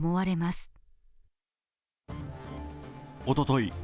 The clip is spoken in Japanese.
おととい